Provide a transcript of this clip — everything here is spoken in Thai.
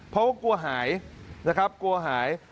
เพราะว่ากลัวหายนะครับกลัวหาย